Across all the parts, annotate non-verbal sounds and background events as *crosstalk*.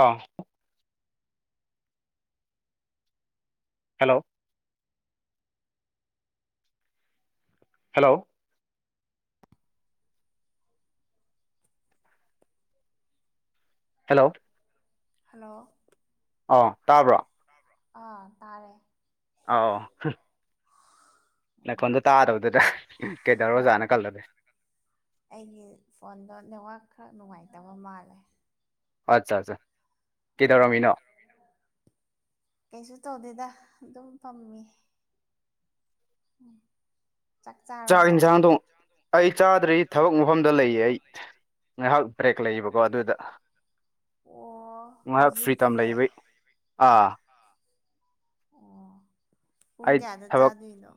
ꯑꯥ hello hello hello hello ꯑꯧ ꯇꯥꯕ꯭ꯔꯣ ꯇꯥꯕ꯭ꯔꯣ ꯑ ꯇꯥꯔꯦ ꯑꯧ ꯍꯝ ꯎꯝ ꯅꯥꯈꯣꯟꯗꯣ ꯇꯥꯗꯕꯗꯨꯗ ꯑꯥ ꯀꯩꯗꯧꯔꯖꯥꯅꯣ ꯈꯜꯂꯨꯔꯦ꯫ ꯑꯩꯒꯤ ꯐꯣꯟꯗꯣ ꯅꯦꯠꯋꯥꯛ ꯈꯔ ꯅꯨꯡꯉꯥꯏꯇꯕ ꯃꯥꯜꯂꯦ꯫ ꯑꯠꯆꯥ ꯆꯥ ꯎꯝ ꯀꯤꯗꯧꯔꯝꯃꯤꯅꯣ ꯀꯩꯁꯨ ꯇꯧꯗꯦꯗ ꯑꯗꯨꯝ ꯐꯝꯃꯤ ꯎꯝ ꯆꯥꯛ ꯆꯥꯔꯕꯣ ꯆꯥꯛ ꯏꯟꯖꯥꯡ ꯑꯩ ꯆꯥꯗ꯭ꯔꯤ ꯊꯕꯛ ꯃꯐꯝꯗ ꯂꯩꯌꯦ ꯑꯩ ꯉꯥꯏꯍꯥꯛ ꯕ꯭ꯔꯦꯛ ꯂꯩꯕꯀꯣ ꯑꯗꯨꯗ ꯑꯣ ꯉꯥꯏꯔꯥꯛ ꯐ꯭ꯔꯤꯗꯝ ꯂꯩꯕꯩ ꯑꯥ ꯍꯥ ꯑꯣ ꯄꯨꯡ ꯑꯩ ꯀꯌꯥꯗ ꯊꯕꯛ ꯆꯥꯗꯨꯏꯅꯣ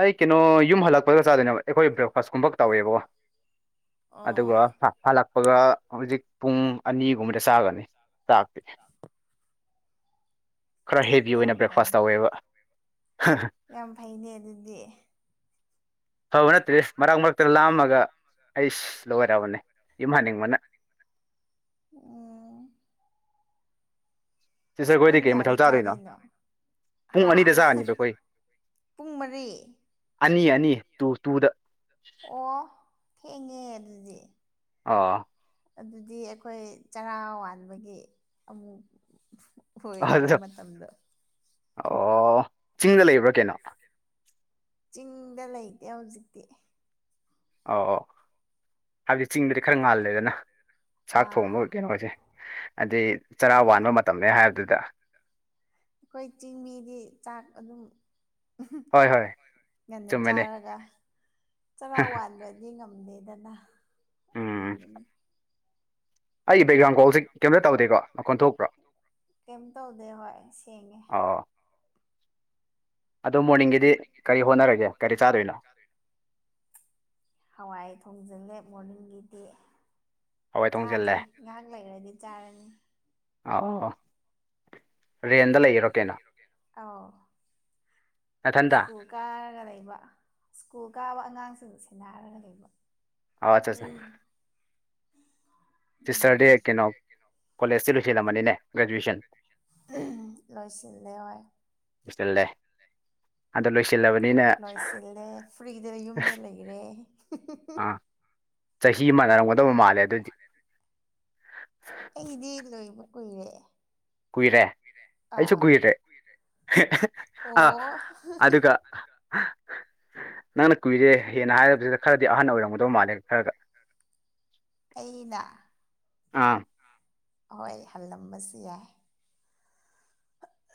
ꯑꯩ ꯀꯩꯅꯣ ꯌꯨꯝ ꯍꯜꯂꯛꯄꯒ ꯆꯥꯗꯣꯏꯅꯦꯕ ꯑꯩꯈꯣꯏ ꯕ꯭ꯔꯦꯛꯐꯥꯁꯀꯨꯝꯕ ꯇꯧꯋꯦꯕꯣ꯫ ꯑꯗꯨꯒ ꯑꯣ ꯍꯥ ꯍꯜꯂꯛꯄꯒ ꯍꯧꯖꯤꯛ ꯄꯨꯡ ꯑꯅꯤꯒꯨꯝꯕꯗ ꯆꯥꯒꯅꯤ ꯆꯥꯛꯇꯤ꯫ ꯈꯔ ꯍꯦꯕꯤ ꯌꯥꯝ ꯑꯣꯏꯅ ꯕ꯭ꯔꯦꯛꯐꯥꯁ ꯐꯩꯅꯦ ꯇꯧꯋꯦꯕ ꯌꯥꯝ ꯐꯩꯅꯦ ꯑꯗꯨꯗꯤ ꯐꯕ ꯅꯠꯇꯦ ꯃꯔꯛ ꯃꯔꯛꯇ ꯂꯥꯝꯃꯒ ꯑꯩꯁ ꯂꯣꯏꯔꯕꯅꯦ ꯌꯨꯝ ꯍꯟꯅꯤꯡꯕꯅ꯫ ꯎꯝ ꯁꯤꯁꯇꯔ ꯈꯣꯏꯗꯤ ꯄꯨꯡ ꯀꯩ ꯃꯊꯦꯜ ꯀꯌꯥꯗ ꯆꯥꯗꯣꯏꯅꯣ ꯆꯥꯗꯨꯏꯅꯣ ꯄꯨꯡ ꯍꯥ ꯑꯅꯤꯗ ꯆꯥꯔꯅꯤꯕ ꯑꯩꯈꯣꯏ ꯄꯨꯡ ꯃꯔꯤ ꯑꯅꯤ ꯑꯅꯤ ꯑꯣ ꯊꯦꯡꯉꯦ ꯑꯗꯨꯗꯤ ꯑꯣ ꯑꯗꯨꯗꯤ ꯑꯩꯈꯣꯏ ꯆꯔꯥ ꯋꯥꯟꯕꯒꯤ ꯑꯃꯨꯛ ꯍꯣꯏꯌꯦꯅꯦ ꯑꯗꯨꯗꯣ ꯃꯇꯝꯗꯣ ꯑꯣ ꯆꯤꯡꯗ ꯂꯩꯕ꯭ꯔꯥ ꯀꯩꯅꯣ ꯆꯤꯡꯗ ꯂꯩꯇꯦ ꯍꯧꯖꯤꯛꯇꯤ ꯑ ꯑꯣ ꯍꯥꯏꯕꯗꯤ ꯆꯤꯡꯗꯗꯤ ꯈꯔ ꯉꯥꯜꯂꯦꯗꯅ ꯆꯥꯛ ꯑꯥ ꯊꯣꯡꯕ ꯀꯩꯅꯣꯁꯦ ꯑꯗꯩ ꯆꯔꯥ ꯑꯗꯣ ꯋꯥꯟꯕ ꯃꯇꯝꯅꯦ ꯍꯥꯏꯕꯗꯨꯗ꯫ ꯑꯈꯣꯏ ꯆꯤꯡꯃꯤꯗꯤ ꯆꯥꯛ ꯑꯗꯨꯝ ꯍꯣꯏ ꯍꯣꯏ ꯉꯟꯅ ꯆꯨꯝꯃꯦꯅꯦ ꯆꯥꯔꯒ ꯆꯔꯥ ꯋꯥꯟꯗ꯭ꯔꯗꯤ ꯉꯝꯗꯦꯗꯅ ꯎꯝ ꯑꯗꯨꯗꯨꯅꯤ ꯑꯩꯒꯤ ꯕꯦꯛꯒ꯭ꯔꯥꯎꯟ ꯀꯣꯜꯁꯦ ꯀꯩꯝꯇ ꯇꯧꯗꯦꯀꯣ ꯃꯈꯣꯟ ꯊꯣꯛꯄ꯭ꯔꯣ *unintelligible* ꯀꯩꯝ ꯇꯧꯗꯦ ꯍꯣꯏ ꯁꯦꯡꯉꯦ ꯑꯣ ꯑꯗꯣ ꯃꯣꯔꯅꯤꯡꯒꯤꯗꯤ ꯀꯔꯤ ꯍꯣꯠꯅꯔꯒꯦ ꯀꯔꯤ ꯆꯥꯗꯣꯏꯅꯣ꯫ ꯍꯋꯥꯏ ꯊꯣꯡꯖꯤꯜꯂꯦ ꯃꯣꯔꯅꯤꯡꯒꯤꯗꯤ ꯍꯋꯥꯏ ꯊꯣꯡꯖꯤꯜꯂꯦ ꯆꯥꯗ꯭ꯔꯤ ꯉꯍꯥꯛ ꯂꯩꯔꯗꯤ ꯆꯥꯔꯅꯤ ꯑꯥꯎ ꯑꯥꯎ ꯑꯊꯟꯗ ꯁ꯭ꯀꯨꯜ ꯀꯥꯔꯒ ꯂꯩꯕ ꯁ꯭ꯀꯨꯜ ꯀꯥꯕ ꯑꯉꯥꯡꯁꯤꯡ ꯁꯦꯟꯅꯔꯒ ꯂꯩꯕ꯫ ꯑꯣ ꯑꯠꯆꯥ ꯆꯥ ꯇꯤꯁꯇꯔꯗꯤ ꯀꯩꯅꯣ ꯀꯣꯂꯦꯖꯇꯤ ꯂꯣꯏꯁꯤꯜꯂꯝꯃꯅꯤꯅꯦ ꯒ꯭ꯔꯦꯖꯨꯋꯦꯁꯟ ꯂꯣꯏꯁꯤꯜꯂꯦ ꯍꯣꯏ ꯁꯤꯜꯂꯦ ꯑꯗꯣ ꯂꯣꯏ ꯂꯣꯏꯁꯤꯜꯂꯦ ꯐ꯭ꯔꯤꯗ ꯌꯨꯝꯗ ꯂꯩꯔꯦ꯫ ꯑꯥ ꯆꯍꯤ ꯃꯅꯔꯝꯒꯗꯧꯕ ꯃꯥꯜꯂꯦ ꯑꯗꯨꯗꯤ ꯑꯩꯗꯤ ꯂꯣꯏꯕ ꯀꯨꯏꯔꯦ ꯀꯨꯏꯔꯦ ꯑꯩꯁꯨ ꯑꯥ ꯀꯨꯏꯔꯦ ꯑꯣ ꯑ ꯑꯗꯨꯒ ꯅꯪꯅ ꯀꯨꯏꯔꯦ ꯍꯦꯟꯅ ꯍꯥꯏꯕꯗꯨꯗ ꯈꯔꯗꯤ ꯑꯍꯟꯅ ꯑꯣꯏꯔꯝꯒꯗꯧ ꯃꯥꯜꯂꯦ ꯈꯔꯒ ꯑꯩꯅ ꯑꯥ ꯍꯣꯏ ꯍꯜꯂꯝꯕꯁꯨ ꯌꯥꯏ꯫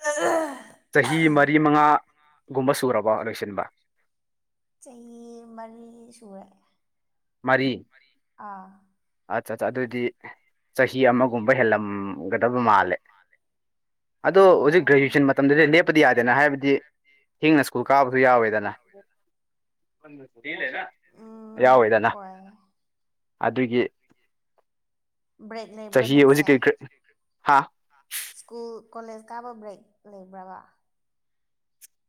ꯑ ꯆꯍꯤ ꯃꯔꯤ ꯃꯉꯥꯒꯨꯝꯕ ꯁꯨꯔꯕ ꯂꯣꯏꯁꯤꯟꯕ ꯆꯍꯤ ꯃꯔꯤ ꯁꯨꯔꯦ ꯃꯔꯤ ꯑꯥ ꯑꯠ ꯑꯠꯆꯥ ꯑꯗꯨꯗꯤ ꯆꯍꯤ ꯑꯃꯒꯨꯝꯕ ꯍꯦꯜꯂꯝꯒꯗꯕ ꯃꯥꯜꯂꯦ ꯑꯗꯣ ꯍꯧꯖꯤꯛ ꯑꯣ ꯒ꯭ꯔꯦꯖꯨꯋꯦꯁꯟ ꯃꯇꯝꯗꯗꯤ ꯂꯦꯞꯄꯗꯤ ꯌꯥꯗꯦꯅ ꯍꯥꯏꯕꯗꯤ ꯊꯦꯡꯅ ꯁ꯭ꯀꯨꯜ ꯀꯥꯕꯁꯨ ꯌꯥꯎꯋꯦꯗꯅ ꯎꯝ ꯌꯥꯎꯋꯦꯗꯅ ꯑꯗꯨꯒꯤ ꯕ꯭ꯔꯦꯛꯅꯦꯕ ꯆꯍꯤ ꯅꯪꯁꯦ ꯍꯧꯖꯤꯛꯀꯤ ꯍꯥ ꯁ꯭ꯀꯨꯜ ꯀꯣꯂꯦꯖ ꯀꯥꯕ ꯕ꯭ꯔꯦꯛ ꯂꯩꯕ꯭ꯔꯥꯕ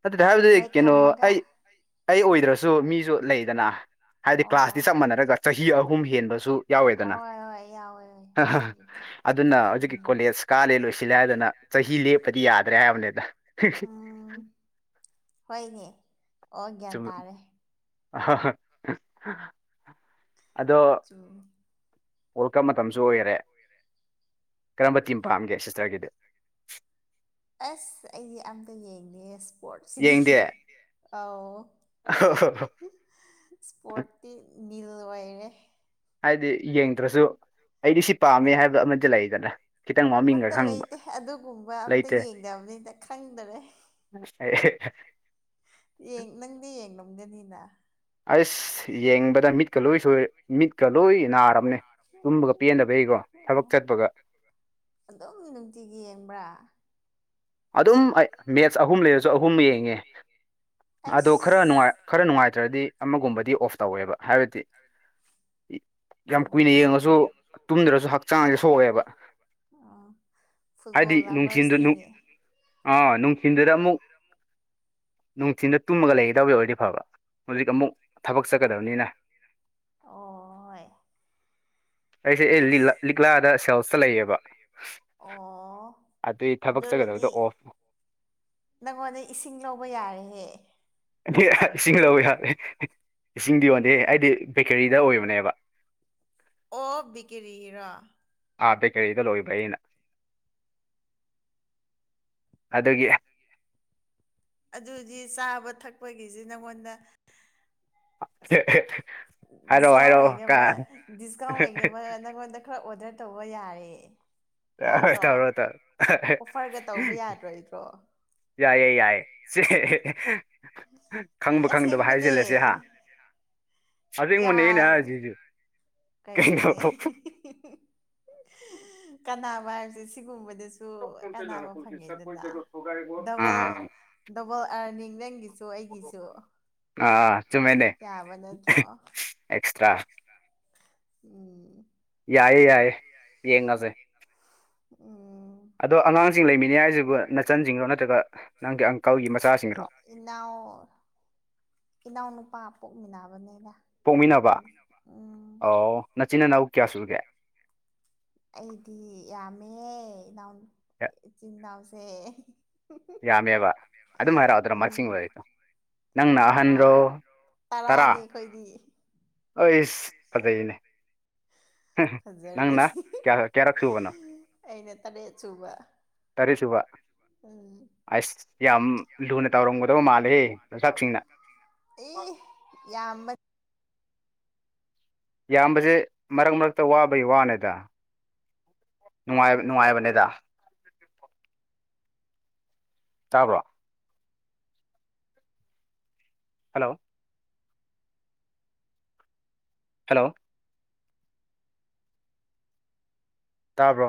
ꯑꯗꯨꯗꯤ ꯍꯥꯏꯕꯗꯤ ꯀꯩꯅꯣ ꯊꯝꯃꯒ ꯑꯩ ꯑꯩ ꯑꯣꯏꯗ꯭ꯔꯁꯨ ꯃꯤꯁꯨ ꯂꯩꯗꯅ ꯍꯥꯏꯗꯤ ꯑꯣ ꯀ꯭ꯂꯥꯁꯇꯤ ꯆꯞ ꯃꯥꯟꯅꯔꯒ ꯆꯍꯤ ꯑꯍꯨꯝ ꯍꯦꯟꯕꯁꯨ ꯌꯥꯎꯋꯦꯗꯅ ꯍꯣꯏ ꯍꯣꯏ ꯌꯥꯎꯋꯦ ꯑꯗꯨꯕꯨꯗꯤ ꯑꯗꯨꯅ ꯍꯧꯖꯤꯛꯀꯤ ꯀꯣꯂꯦꯖ ꯀꯥꯂꯦ ꯂꯣꯏꯁꯤꯜꯂꯦ ꯍꯥꯏꯗꯅ ꯆꯍꯤ ꯂꯦꯞꯄꯗꯤ ꯌꯥꯗ꯭ꯔꯦ ꯍꯥꯏꯕꯅꯦꯗ ꯎꯝ ꯍꯣꯏꯅꯦ ꯑꯣ ꯒ꯭ꯌꯥꯟ ꯇꯥꯔꯦ ꯑ *unintelligible* ꯆꯨꯝ ꯋꯥꯔꯜ ꯀꯞ ꯃꯇꯝꯁꯨ ꯑꯣꯏꯔꯦ ꯀꯔꯝꯕ ꯇꯤꯝ ꯄꯥꯝꯒꯦ ꯁꯤꯁꯇꯔꯒꯤꯗꯤ ꯑꯁ ꯑꯩꯗꯤ ꯑꯝꯇ ꯌꯦꯡꯗꯦ ꯏꯁꯄꯣꯔꯠꯁꯤꯗꯤ ꯌꯦꯡꯗꯦ ꯑꯥꯎ *unintelligible* ꯁꯄꯣꯔꯠꯇꯤ ꯅꯤꯜ ꯑꯣꯏꯔꯦ ꯍꯥꯏꯗꯤ ꯌꯦꯡꯗ꯭ꯔꯁꯨ ꯑꯩꯗꯤ ꯁꯤ ꯄꯥꯝꯃꯦ ꯍꯥꯏꯕꯗꯣ ꯑꯃꯗꯤ ꯂꯩꯗꯅ ꯈꯤꯇꯪ ꯃꯃꯤꯡꯒ ꯑꯃꯠꯇ ꯈꯪꯕ ꯂꯩꯇꯦ ꯑꯗꯨꯒꯨꯝꯕ ꯑꯝꯇ ꯂꯩꯇꯦ ꯌꯦꯡꯗꯕꯅꯤꯅ ꯈꯪꯗꯔꯦ *unintelligible* ꯅꯪꯗꯤ ꯌꯦꯡꯝꯒꯅꯤꯅ ꯑꯁ ꯌꯦꯡꯕꯗ ꯃꯤꯠꯀ ꯂꯣꯏ ꯁꯣꯏ ꯃꯤꯠꯀ ꯂꯣꯏ ꯅꯥꯔꯕꯅꯦ ꯇꯨꯝꯕꯒ ꯄꯦꯟꯗꯕꯩꯀꯣ ꯊꯕꯛ ꯆꯠꯄꯒ ꯑꯗꯨꯝ ꯅꯨꯡꯇꯤꯒꯤ ꯌꯦꯡꯕ꯭ꯔꯥ ꯑꯗꯨꯝ ꯑꯩ ꯃꯦꯠꯁ ꯑꯍꯨꯝ ꯂꯩꯔꯁꯨ ꯑꯍꯨꯝ ꯌꯦꯡꯉꯦ ꯑꯗꯣ ꯑꯁ ꯈꯔꯅꯨꯡꯉꯥꯏ ꯈꯔ ꯅꯨꯡꯉꯥꯏꯇ꯭ꯔꯗꯤ ꯑꯃꯒꯨꯝꯕꯗꯤ ꯑꯣꯐ ꯇꯧꯋꯦꯕ ꯍꯥꯏꯕꯗꯤ ꯏ ꯌꯥꯝ ꯀꯨꯏꯅ ꯑꯣ ꯌꯦꯡꯉꯁꯨ ꯇꯨꯝꯗ꯭ꯔꯁꯨ ꯍꯛꯆꯥꯡꯁꯦ ꯁꯣꯛꯑꯦꯕ ꯑꯣ ꯍꯥꯏꯗꯤ ꯐꯨꯠꯕꯣꯜ ꯅꯨꯡꯊꯤꯟꯗ ꯂꯚꯔꯁꯅꯤꯅꯦ ꯑꯥ ꯅꯨꯡꯊꯤꯟꯗꯨꯗ ꯑꯃꯨꯛ ꯅꯨꯡꯊꯤꯟꯗ ꯇꯨꯝꯃꯒ ꯂꯩꯒꯗꯕ ꯑꯣꯏꯔꯗꯤ ꯐꯕ ꯍꯧꯖꯤꯛ ꯑꯃꯨꯛ ꯊꯕꯛ ꯆꯠꯀꯗꯕꯅꯤꯅ ꯑꯣ ꯑꯩꯁꯦ ꯑꯦ ꯂꯤꯛꯂꯥ ꯂꯤꯛꯂꯥꯗ ꯁꯦꯜꯁꯇ ꯁꯦꯜ ꯂꯩꯌꯦꯕ ꯑꯣ ꯑꯗꯨꯏ ꯊꯕꯛ ꯑꯗ ꯔꯗꯤ ꯆꯠꯀꯗꯕꯗꯣ ꯑꯣꯐ ꯅꯪꯉꯣꯟꯗ ꯏꯁꯤꯡ ꯂꯧꯕ ꯌꯥꯔꯦꯍꯦ ꯏꯁꯤꯡ ꯂꯧꯋꯤ ꯌꯥꯂꯦ ꯏꯁꯤꯡꯗꯤ ꯌꯣꯟꯗꯦ ꯑꯩꯗꯤ ꯕꯦꯀꯔꯤꯗ ꯑꯣꯏꯕꯅꯦꯕ *inaudible* ꯑꯣ ꯕꯦꯀꯦꯔꯤ ꯔꯥ ꯑ ꯕꯦꯀꯔꯤꯗ ꯂꯣꯏꯕ ꯑꯩꯅ ꯑꯗꯒꯤ ꯑꯗꯨꯗꯤ ꯆꯥꯕ ꯊꯛꯄꯒꯤꯁꯤ ꯅꯪꯉꯣꯟꯗ ꯍꯥꯏꯔꯛꯑꯣ ꯗꯤꯁꯀꯥꯎꯟ ꯍꯥꯏꯔꯛꯑꯣ ꯀ ꯂꯩꯅꯕ ꯗꯤꯁꯀꯥꯎꯟ ꯂꯩꯅꯕ ꯅꯪꯉꯣꯟꯗ ꯈꯔ ꯑꯣꯗꯔ ꯇꯧꯕ ꯌꯥꯔꯦ ꯌꯥꯗ꯭ꯔꯣ ꯇꯧꯔꯣ ꯇꯧꯔꯣ ꯑꯣꯐꯔꯒ ꯇꯧꯕ ꯌꯥꯗ꯭ꯔꯣ ꯑꯩꯕꯣ ꯌꯥꯏꯌ‌ꯦ ꯌꯥꯏꯌꯦ ꯁꯦ ꯑꯦ ꯈꯪꯕ ꯈꯪꯗꯕ ꯑꯁꯦꯡꯕꯅꯦ ꯍꯥꯏꯖꯤꯜꯂꯁꯦ ꯍꯥ ꯑꯁꯦꯡꯕꯅꯦ ꯑꯩꯅ ꯌꯥꯔ ꯍꯥꯏꯔꯤꯁꯤꯁꯨ ꯀꯩꯅꯣ ꯀꯩꯅ‌ꯣꯅꯦ ꯀꯥꯟꯅꯥꯕ ꯍꯥꯏꯕꯁꯦ ꯁꯤꯒꯨꯝꯕꯗ ꯨꯁꯨ ꯀꯥꯟꯅꯥꯕ ꯐꯪꯉꯦꯗꯅ ꯗꯕꯜ ꯑꯥ ꯗꯕꯜ ꯑꯔꯅꯤꯡ ꯅꯪꯒꯤ ꯁꯨ ꯑꯩꯒꯤꯁꯨ ꯑꯥ ꯆꯨꯝꯃꯦꯅꯦ ꯌꯥꯕ ꯅꯠꯇ꯭ꯔꯣ ꯑꯦꯛꯁꯇ꯭ꯔꯥ *unintelligible* ꯎꯝ ꯌꯥꯏꯌꯦ ꯌꯥꯏꯌꯦ ꯌꯦꯡꯉꯖ‌ꯦ ꯎꯝ ꯑꯗꯣ ꯑꯉꯥꯡꯁꯤꯡ ꯂꯩꯃꯤꯟꯅꯩ ꯍꯥꯏꯁꯤꯕꯨ ꯅꯆꯟꯁꯤꯡꯔꯣ ꯅꯠꯇ꯭ꯔꯒ ꯅꯪꯒꯤ ꯑꯪꯀꯜꯒꯤ ꯃꯆꯥꯁꯤꯡꯔꯣ ꯏꯅꯥꯎ ꯏꯅꯥꯎ ꯅꯨꯨꯄꯥ ꯄꯣꯛꯃꯤꯟꯅꯕꯅ‌ꯦꯗꯥ ꯄꯣꯛꯃꯤꯟꯅꯕ ꯑꯧ ꯅꯆꯤꯟ ꯅꯅꯥꯎ ꯀꯌꯥ ꯁꯨꯒꯦ ꯑꯩꯗꯤ ꯌꯥꯝꯃꯦꯍ‌‌ꯦ ꯏꯅꯥꯎ ꯏꯆꯤꯟ ꯏꯅꯥꯎꯁꯦ ꯌꯥꯝꯃꯦꯕ ꯑꯗꯨꯝ ꯍꯥꯏꯔꯛꯑꯣꯗ꯭ꯔꯣ ꯃꯁꯤꯡ ꯎꯝ ꯑꯣꯏꯔꯤꯗ‌ꯣ ꯅꯪꯅ ꯇꯔꯥ ꯑꯍꯟꯔꯣ ꯇꯔꯥ ꯇꯔꯥꯅꯤ ꯑꯩꯈꯣꯏꯗꯤ ꯑꯩꯁ ꯐꯖꯩꯅꯦ ꯅꯪꯅ ꯐꯖꯔꯅꯤ ꯀꯌꯥ ꯀꯌꯥꯔꯛ ꯁꯨꯕꯅꯣ ꯑꯩꯅ ꯇꯔꯦꯠ ꯁꯨꯕ ꯇꯔꯦꯠ ꯁꯨꯕ ꯇꯔ‌ꯦꯠ ꯁꯨꯕ ꯎꯝ ꯑꯁ ꯌꯥꯝ ꯂꯨꯅ ꯇꯥꯎꯔꯝꯒꯗꯕ ꯃꯥꯜꯂꯦꯍ‌ꯦ *unintelligible* ꯏ ꯌꯥꯝꯃ ꯌꯥꯝꯕꯁꯦ ꯃꯔꯛ ꯃꯔꯛꯇ ꯋꯥꯕꯩ ꯋꯥꯅꯦꯗ ꯅꯨꯡꯉꯥꯏ ꯅꯨꯡꯉꯥꯏꯕꯅꯦꯗ ꯇꯥꯕ꯭ꯔꯣ ꯍꯜꯂꯣ ꯍꯜꯂꯣ ꯇꯥꯕ꯭ꯔꯣ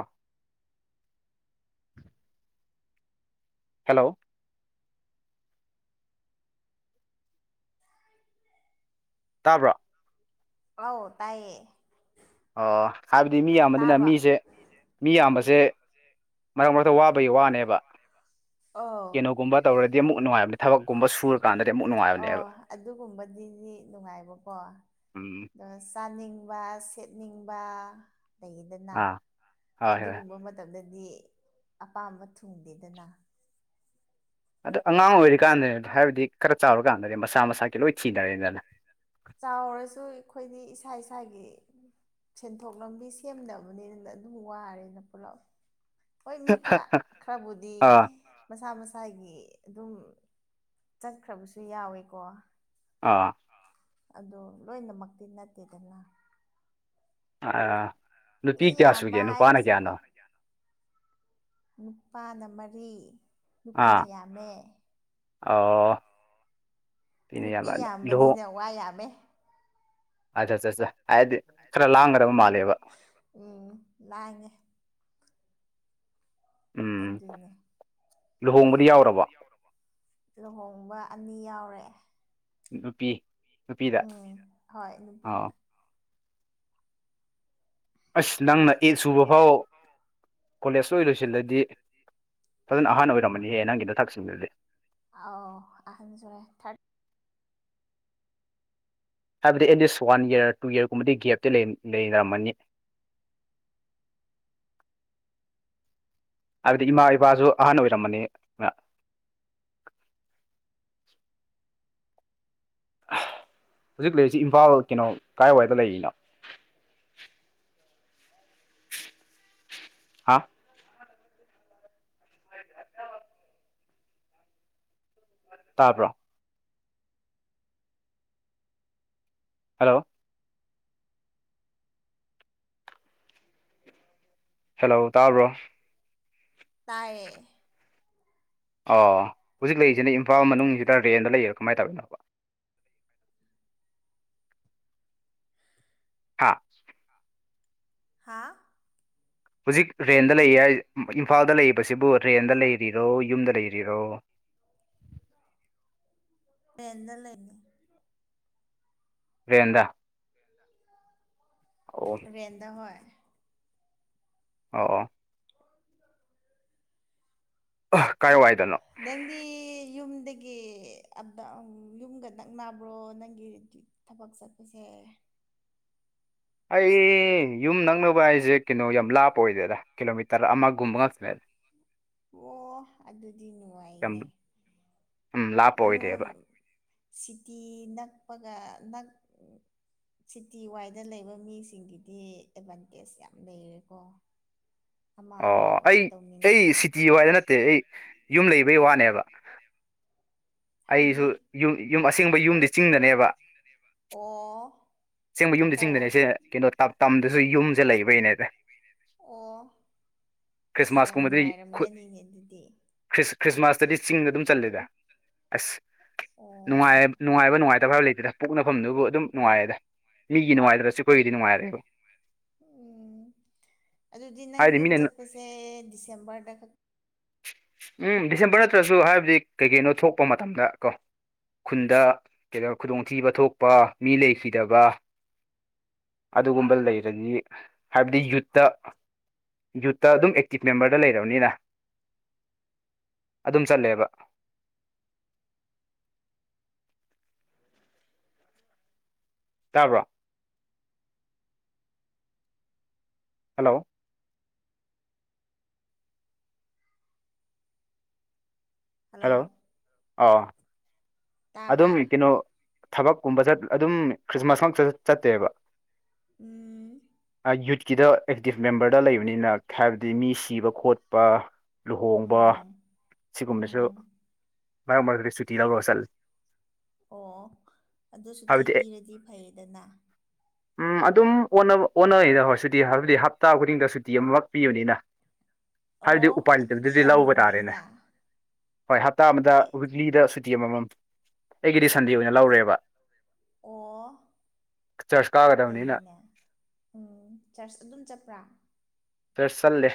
ꯍꯜꯂꯣ *unintelligible* ꯇꯥꯕ꯭ꯔꯣ ꯑꯧ ꯇꯥꯏꯌꯦ ꯑꯣ ꯍꯥꯏꯕꯗꯤ ꯃꯤ ꯌꯥꯝꯕꯅꯤꯅ ꯃꯤꯖ‌ꯦꯃꯤ ꯌꯥꯝꯕꯖ‌ꯦ ꯁ‌ꯦ ꯃꯔꯛ ꯃꯔꯛꯇ ꯋꯥꯕꯩ ꯋꯥꯅ‌ꯦꯕ ꯑ‌ꯣ ꯀꯩꯅꯣꯒꯨꯝꯕ *unintelligible* ꯑꯃꯨꯛ ꯇꯧꯔꯗꯤ ꯅꯨꯡꯉꯥꯏꯕꯅꯦ ꯃꯨꯛ ꯊꯕꯛꯀꯨꯝꯕ ꯁꯨꯔꯀꯥꯟꯗꯗꯤ ꯑꯃꯨꯛ *unintelligible* ꯑꯣ ꯅꯨꯡꯉꯥꯏꯕꯅꯦꯕ ꯑꯗꯨꯒꯨꯝꯕꯗꯗꯤ ꯅꯨꯡꯉꯥꯏꯕꯀꯣ ꯎꯝ ꯑꯗꯣ ꯆꯥꯅꯤꯡꯕ ꯁꯦꯠꯅꯤꯡꯕ ꯂꯩꯗꯅ ꯑ ꯑꯥ ꯍꯣꯏ ꯍꯣꯏ ꯑꯗꯨꯒꯨꯝꯕ ꯃ ꯇꯝꯗꯗꯤ ꯑꯄꯥꯝꯕ ꯊꯨꯡꯗꯦꯗꯅ ꯑꯗꯣ ꯑꯉꯥꯡ ꯑꯣꯏꯔꯤꯀꯥꯟꯗꯅꯦ ꯍꯥꯏꯕꯗꯤ ꯈꯔ ꯆꯥꯎꯔꯀꯥꯟꯗꯗꯤ ꯃꯁꯥ ꯃꯁꯥꯒꯤ ꯂꯣꯏ ꯊꯤꯅꯔꯦꯗꯅ ꯆꯥꯎꯔꯁꯨ ꯑꯩꯈꯣꯏꯗꯤ ꯏꯁꯥ ꯏꯁꯥꯒꯤ ꯁꯦꯟꯊꯣꯛ ꯂꯝꯕꯤ ꯁꯦꯝꯗꯕꯅꯤꯅ ꯑꯗꯨꯝ ꯋꯥꯔꯦꯅ ꯄꯨꯜꯂꯞ ꯍꯣꯏ ꯃꯤ ꯈꯔ ꯈꯔꯕꯨꯗꯤ ꯑꯥ ꯑ ꯃꯁꯥ ꯃꯁꯥꯒꯤ ꯑꯗꯨꯝ ꯆꯠꯈ꯭ꯔꯕꯁꯨ ꯌꯥꯎꯋꯦꯀꯣ ꯑꯥ ꯑ ꯑꯗꫭ ꯂꯣꯏꯅꯃꯛꯇꯤ ꯅꯠꯇꯦꯗꯅ ꯅꯨꯄꯤ ꯃꯤ ꯀꯌꯥ ꯌꯥꯝꯕ ꯁꯨꯒꯦ ꯅꯨꯄꯥꯅ ꯍꯥꯏꯕꯁꯤꯕꯨ ꯀꯌꯥꯅꯣ ꯅꯨꯄꯥꯅ ꯃꯔꯤ ꯑꯥ ꯅꯨꯄꯤꯅ ꯌꯥꯝꯃꯦ ꯑꯣ ꯅꯨꯄꯤ ꯏꯅꯦꯌꯥꯝꯕ ꯂꯨꯍꯣꯡ ꯌꯥꯝꯕꯅꯤꯅ ꯋꯥ ꯌꯥꯝꯃꯦ ꯑꯆꯥ ꯆꯥ ꯆꯥ ꯍꯥꯏꯗꯤ ꯈꯔ ꯂꯥꯡꯒꯗꯕ ꯃꯥꯜꯂꯦꯕ ꯎꯝ ꯂꯥꯡꯉꯦ ꯑꯗꯨꯅꯦ ꯂꯨꯍꯣꯡꯕ ꯂꯨꯍꯣꯡꯕꯗꯤ ꯌꯥꯎꯔꯕꫭ ꯂꯨꯍꯣꯡꯕ ꯑꯅꯤ ꯌꯥꯎꯔꯛꯑꯦ ꯫ ꯅꯨꯄꯤ ꯅꯨꯄꯤꯗ ꯎꯝ ꯍꯣꯏ ꯅꯨꯄꯤꯗ ꯑꯥ ꯑꯁ ꯅꯪꯅ ꯑꯦꯠ ꯁꯨꯕ ꯐꯥꯎ ꯀꯣꯂꯦꯖ ꯂꯣꯏ ꯂꯣꯏꯁꯤꯜꯂꯗꯤ ꯐꯖꯅ ꯑꯍꯟ ꯑꯣꯏꯔꯝꯃꯅꯤꯍꯦ ꯅꯪꯒꯤ ꯅꯊꯛꯁꯤꯡꯗꯨꯗꯤ꯫ ꯑꯥꯎ ꯑꯍꯟ ꯁꯨꯔꯦ ꯊꯥꯔꯗ ꯍꯥꯏꯕꯗꯤ at list one year two ꯌꯔꯒꯨꯝꯕꯗꯤ ꯒꯦꯞꯇꯤ ꯂꯩꯔ ꯂꯩꯅꯔꯝꯃꯅꯤ꯫ ꯍꯥꯏꯕꯗꯤ ꯏꯃꯥ ꯏꯄꯥꯁꯨ ꯑꯍꯟ ꯑꯣꯏꯔꯝꯃꯅꯤ꯫ ꯍꯧꯖꯤꯛ ꯂꯩꯔꯤꯁꯤ ꯏꯝꯐꯥꯜ ꯀꯩꯅꯣ ꯀꯥꯏꯋꯥꯏꯗ ꯂꯩꯔꯤꯅꯣ꯫ ꯍꯥ ꯇꯥꯕ꯭ꯔꯣ ꯍꯜꯂꯣ ꯍꯦꯜꯂꯣ ꯇꯥꯕ꯭ꯔꯣ ꯇꯥꯏꯌꯦ ꯑꯣ ꯍꯨꯖꯤꯛ ꯂꯩꯔꯤꯁꯤꯅ ꯏꯝꯐꯥꯜ ꯃꯅꯨꯡꯁꯤꯗ ꯔꯦꯟꯗ ꯂꯩꯔꯤꯔꯥ ꯀꯃꯥꯏ ꯇꯧꯔꯤꯅꯣꯕ꯫ ꯍꯥ ꯍꯥꯥ ꯍꯨꯖꯤꯛ ꯔꯦꯟꯗ ꯂꯩꯌꯦ ꯍꯥꯏꯌꯦ ꯏꯝꯐꯥꯜꯗ ꯂꯩꯕꯁꯤꯕꯨ ꯔꯦꯟꯗ ꯂꯩꯔꯤꯔꯣ ꯌꯨꯝꯗ ꯂꯩꯔꯤꯔꯣ꯫ ꯔꯦꯟꯗ ꯂꯩꯕꯅꯤ ꯔꯦꯟꯗ ꯔꯦꯟꯗ ꯑꯣ ꯔꯦꯟꯗ ꯍꯣꯏ ꯑꯣ *inaudible* ꯑ ꯀꯥꯏ ꯋꯥꯏꯗꯅꯣ ꯅꯪꯗꯤ ꯌꯨꯝꯗꯒꯤ ꯑꯞ ꯗꯥꯎꯟ ꯌꯨꯝꯒ ꯅꯛꯅꯕ꯭ꯔꯣ ꯅꯪꯒꯤ ꯔꯦꯟꯗꯤ ꯊꯕꯛ ꯆꯠꯄꯁꯦ꯫ ꯑꯩ ꯌꯨꯝ ꯅꯛꯅꯕ ꯍꯥꯏꯖꯦ ꯀꯩꯅꯣ ꯌꯥꯝ ꯂꯥꯞꯄ ꯑꯣꯏꯗꯦꯗ ꯀꯤꯂꯣꯃꯤꯇꯔ ꯑꯃꯒꯨꯝꯕ ꯉꯥꯛꯇꯅꯦꯗ ꯑꯣ ꯑꯗꯨꯗꯤ ꯌꯥꯝ ꯅꯨꯡꯉꯥꯏꯅꯦ ꯎꯝ ꯂꯥꯞꯄ ꯌꯨꯝ ꯑꯣꯏꯗꯦꯕ ꯁꯤꯇꯤ ꯅꯛꯄꯒ ꯅꯛ ꯁꯤꯇꯤ ꯋꯥꯏꯗ ꯂꯩꯕ ꯃꯤꯁꯤꯡꯒꯤꯗꯤ ꯑꯦꯗꯚꯥꯟꯇꯦꯖ ꯌꯥꯝ ꯂꯩꯔꯦꯀꯣ꯫ ꯑꯃ ꯑꯃ ꯑꯣ ꯑꯣꯏ ꯑꯩ ꯑꯩ ꯇꯧꯅꯤꯡꯉꯁꯨ ꯁꯤꯇꯤ ꯋꯥꯏꯗ ꯅꯠꯇꯦ ꯑꯩ ꯌꯨꯝ ꯂꯩꯕꯩ ꯋꯥꯅꯦꯕ꯫ ꯑꯩꯁꯨ ꯍꯥꯏꯗꯤ ꯌꯨꯝ ꯌꯨꯝ ꯑꯁꯦꯡꯕ ꯌꯨꯝꯗꯤ ꯆꯤꯡꯗꯅꯦꯕ꯫ ꯑꯣ ꯑꯁꯦꯡꯕ ꯌꯨꯝꯗꯤ ꯑꯣ ꯑꯣ ꯆꯤꯡꯗꯅꯦꯁꯦ ꯀꯩꯅꯣ ꯇꯝ ꯇꯝꯗꯁꯨ ꯌꯨꯝꯁꯦ ꯂꯩꯕꯩꯅꯦꯗ꯫ ꯑꯣ ꯑꯁ ꯌꯥꯝ ꯈ꯭ꯔꯤꯁꯃꯥꯁꯀꯨꯝꯕꯗꯤ ꯈꯨ ꯅꯨꯡꯉꯥꯏꯔꯝꯒꯅꯤꯅꯦ ꯑꯗꯨꯗꯤ ꯈ꯭ꯔꯤꯁ ꯈ꯭ꯔꯤꯁꯃꯥꯁꯇꯗꯤ ꯆꯤꯡꯗ ꯑꯗꯨꯝ ꯆꯜꯂꯦꯗ꯫ ꯑꯁ ꯅꯨꯡꯉꯥꯏ ꯑꯣ ꯅꯨꯡꯉꯥꯏꯕ ꯅꯨꯡꯉꯥꯏꯇꯕ ꯍꯥꯏꯕ ꯂꯩꯇꯦꯗ ꯄꯣꯛꯅꯐꯝꯗꯨꯕꯨ ꯑꯗꯨꯝ ꯅꯨꯡꯉꯥꯏꯌꯦꯗ꯫ ꯃꯤꯒꯤ ꯅꯨꯡꯉꯥꯏꯇ꯭ꯔꯁꯨ ꯑꯩꯈꯣꯏꯒꯤꯗꯤ ꯅꯨꯡꯉꯥꯏꯔꯦꯕ ꯎꯝ꯫ ꯑꯗꯨꯗꯤ ꯅꯪ ꯍꯥꯏꯗꯤ ꯌꯨꯝ ꯃꯤꯅ ꯆꯠꯄꯁꯦ ꯗꯤꯁꯦꯝꯕꯔꯗ ꯈꯛ ꯎꯝ ꯗꯤꯁꯦꯝꯕꯔ ꯅꯠꯇ꯭ꯔꯁꯨ ꯍꯥꯏꯕꯗꯤ ꯀꯩ ꯀꯩꯅꯣ ꯊꯣꯛꯄ ꯃꯇꯝꯗ ꯀꯣ꯫ ꯈꯨꯟꯗ ꯀꯩꯗꯧꯔ ꯈꯨꯗꯣꯡꯊꯤꯕ ꯊꯣꯛꯄ ꯃꯤ ꯂꯩꯈꯤꯗꯕ꯫ ꯑꯗꯨꯒꯨꯝꯕ ꯂꯩꯔꯗꯤ ꯍꯥꯏꯕꯗꯤ ꯌꯨꯠꯇ꯫ ꯌꯨꯠꯇ ꯑꯗꯨꯝ ꯑꯦꯛꯇꯤꯞ ꯃꯦꯝꯕꯔꯗ ꯂꯩꯔꯕꯅꯤꯅ꯫ ꯑꯗꯨꯝ ꯆꯥꯠꯂꯦꯕ꯫ ꯇꯥꯕ꯭ꯔꯣ꯫ ꯍꯜꯂꯣ꯫ ꯍꯜꯂꯣ ꯑꯥ꯫ ꯑꯗꯨꯝ ꯇꯥꯕ꯭ꯔꯥ ꯀꯩꯅꯣ ꯊꯕꯛ ꯀꯨꯝꯕ ꯆꯠ ꯑꯗꯨꯝ ꯈ꯭ꯔꯤꯁꯃꯥꯁ ꯉꯥꯛ ꯆ ꯆꯠꯇꯦꯕ꯫ ꯎꯝ꯫ ꯌꯨꯠꯀꯤꯗ ꯑꯦꯛꯇꯤꯞ ꯃꯦꯝꯕꯔꯗ ꯂꯩꯕꯅꯤꯅ ꯍꯥꯏꯕꯗꯤ ꯃꯤ ꯁꯤꯕ ꯈꯣꯠꯄ꯫ ꯂꯨꯍꯣꯡꯕ ꯎꯝ ꯁꯤꯒꯨꯝꯕꯁꯨ ꯎꯝ ꯃꯔꯛ ꯃꯔꯛꯇꯗꯤ ꯁꯨꯇꯤ ꯂꯧꯔꯒ ꯆꯠꯂꯤ꯫ ꯑꯣ ꯑꯗꯨ ꯁꯨꯇꯤ ꯍꯥꯏꯕꯗꯤ ꯑꯦ ꯄꯤꯔꯗꯤ ꯐꯩꯗꯅ꯫ ꯎꯝ꯫ ꯑꯗꯨꯝ ꯑꯣꯟꯕ ꯑꯣꯟꯅꯩꯗ ꯍꯣꯏ ꯁꯨꯇꯤ ꯍꯥꯏꯗꯤ ꯍꯞꯇꯥ ꯈꯨꯗꯤꯡꯗ ꯁꯨꯇꯤ ꯑꯃꯈꯛ ꯄꯤꯕꯅꯤꯅ꯫ ꯍꯥꯏꯗꯤ ꯑꯣ ꯎꯄꯥꯏ ꯑꯗꯨꯗꯤ ꯂꯩꯇꯕꯗꯨꯗꯤ ꯌꯥꯝ ꯂꯧꯕ ꯇꯥꯔꯦꯅꯦ꯫ ꯅꯨꯡꯉꯥꯏꯌꯦꯅ ꯍꯣꯏ ꯍꯞꯇꯥ ꯑꯃꯗ ꯋꯤꯛꯂꯤꯗ ꯁꯨꯇꯤ ꯑꯃꯃꯥꯝ ꯑꯩꯒꯤꯗꯤ ꯁꯟꯗꯦ ꯑꯣꯏꯅ ꯂꯧꯔꯦꯕ꯫ ꯑꯣ ꯆꯔꯆ ꯀꯥꯒꯗꯕꯅꯤꯅ ꯐꯩꯌꯦꯅꯦ꯫ ꯎꯝ ꯆꯔꯆ ꯑꯗꯨꯝ ꯆꯠꯄ꯭ꯔꯥ꯫ ꯆꯔꯆ ꯆꯠꯂꯤ꯫